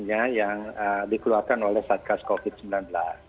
yang dikeluarkan oleh satgas covid sembilan belas